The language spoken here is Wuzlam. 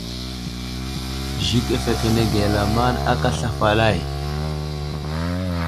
Zik afəkenege lamaŋd aka asla falay.